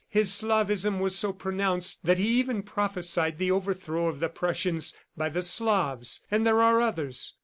His Slavism was so pronounced that he even prophesied the overthrow of the Prussians by the Slavs. ... And there are others.